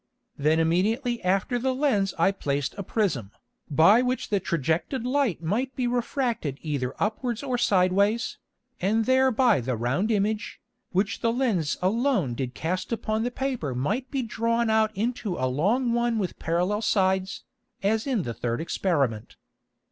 Then immediately after the Lens I placed a Prism, by which the trajected Light might be refracted either upwards or sideways, and thereby the round Image, which the Lens alone did cast upon the Paper might be drawn out into a long one with Parallel Sides, as in the third Experiment.